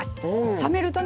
冷めるとね